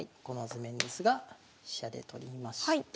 この図面ですが飛車で取りまして。